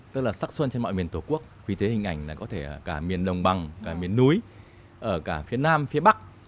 tức là sắc xuân trên mọi miền tổ quốc vì thế hình ảnh có thể cả miền đồng bằng cả miền núi ở cả phía nam phía bắc